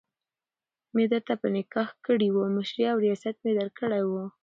مي درته په نکاح کړي وي، مشري او رياست مي درکړی وو